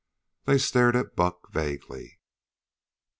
They stared at Buck vaguely.